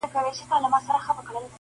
• د پیښي جديت د طنز تر شا کمزوری کيږي..